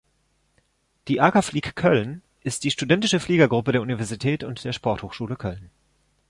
Die "Akaflieg Köln" ist die studentische Fliegergruppe der Universität und der Sporthochschule Köln.